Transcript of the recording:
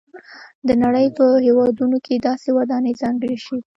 د نړۍ په هېوادونو کې داسې ودانۍ ځانګړې شوي.